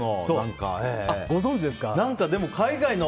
ご存じですか？